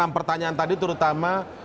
enam pertanyaan tadi terutama